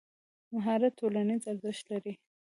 مهارت ټولنیز ارزښت لري.